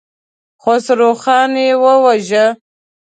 خسروخان يې وواژه.